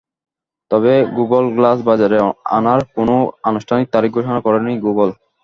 তবে Google glass বাজারে আনার কোনো আনুষ্ঠানিক তারিখ ঘোষণা করেনি গুগল।